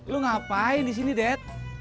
lo ngapain di sini det